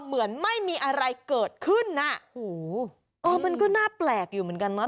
เหมือนไม่มีอะไรเกิดขึ้นน่ะโอ้โหเออมันก็น่าแปลกอยู่เหมือนกันนะ